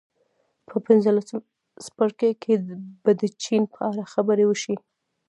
په پنځلسم څپرکي کې به د چین په اړه خبرې وشي